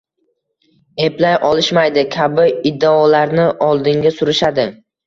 – eplay olishmaydi» kabi iddaolarni oldinga surishadi.